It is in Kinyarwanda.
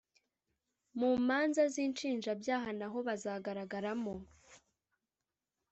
mu manza z’ inshinjabyaha naho bazagaragaramo